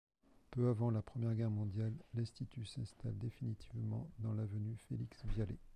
Peu avant la Première Guerre mondiale, l'institut s'installe définitivement dans l'avenue Félix-Viallet.